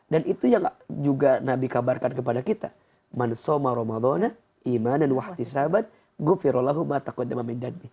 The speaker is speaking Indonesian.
dan itu yang juga nabi kabarkan kepada kita